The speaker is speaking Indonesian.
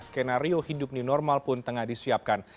skenario hidup new normal pun tengah disiapkan